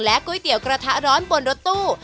ก๋วยเตี๋ยวกระทะร้อนบนรถตู้